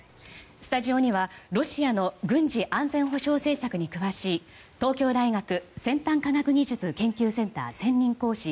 スタジオにはロシアの軍事・安全保障政策に詳しい東京大学先端科学技術研究センター専任講師